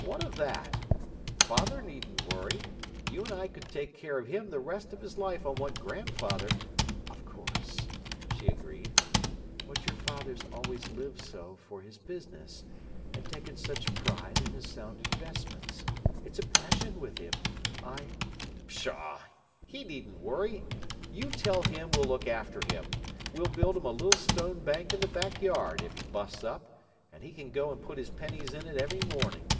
"What of that? Father needn't worry. You and I could take care of him the rest of his life on what grandfather—" "Of course," she agreed. "But your father's always lived so for his business and taken such pride in his sound investments; it's a passion with him. I—" "Pshaw! He needn't worry! You tell him we'll look after him: we'll build him a little stone bank in the backyard, if he busts up, and he can go and put his pennies in it every morning.